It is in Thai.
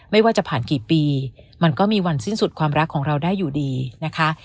ไม่ว่าจะผ่านกี่ปีมันก็มีวันสิ้นสุดความรักของเราได้อยู่ดีนะคะ